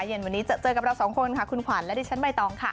เย็นวันนี้เจอกับเราสองคนค่ะคุณขวัญและดิฉันใบตองค่ะ